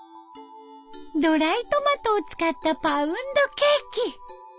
ドライトマトを使ったパウンドケーキ。